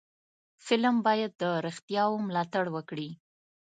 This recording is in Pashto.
فلم باید د رښتیاو ملاتړ وکړي